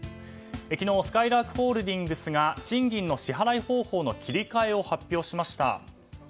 昨日すかいらーくホールディングスが賃金の支払い方法の切り替えを発表しました。